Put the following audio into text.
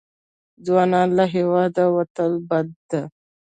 ځوانان له هېواده وتل بد دي.